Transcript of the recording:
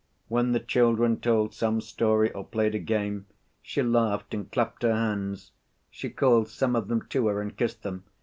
When the children told some story or played a game, she laughed and clapped her hands. She called some of them to her and kissed them.